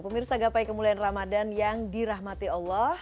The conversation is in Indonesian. pemirsa gapai kemuliaan ramadan yang dirahmati allah